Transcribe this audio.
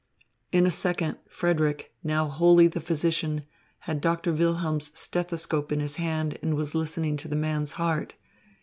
In a second Frederick, now wholly the physician, had Doctor Wilhelm's stethoscope in his hand and was listening to the man's heart.